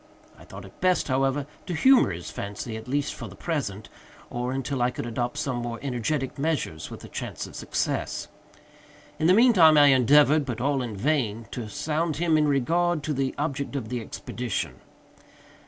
I thought it best, however, to humor his fancy, at least for the present, or until I could adopt some more energetic measures with a chance of success. In the mean time I endeavored, but all in vain, to sound him in regard to the object of the expedition.